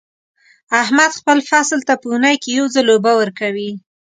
احمد خپل فصل ته په اونۍ کې یو ځل اوبه ورکوي.